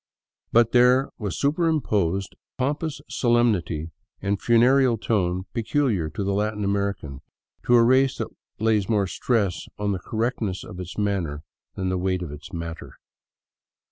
But there was superimposed a pompous solemnity and a funereal tone peculiar to the Latin American, to a race that lays more stress on the correctness of its manner than the weight of its matter.